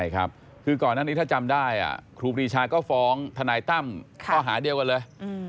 ก่อนนี้ถ้าจำได้ครูปีชาก็ฟ้องธนายตั้มก็หาเดียวกันเลย